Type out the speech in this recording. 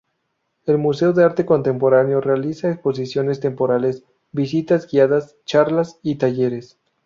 El Museo de Arte Contemporáneo realiza exposiciones temporales, visitas guiadas, charlas y talleres.